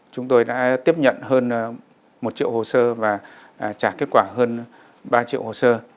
chúng tôi đã tiếp nhận hơn một triệu hồ sơ và trả kết quả hơn ba triệu hồ sơ